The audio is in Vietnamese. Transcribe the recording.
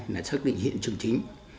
là xác định hiện trường chính